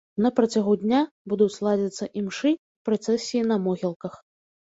На працягу дня будуць ладзіцца імшы і працэсіі на могілках.